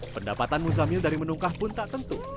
pendapatan muzamil dari menungkah pun tak tentu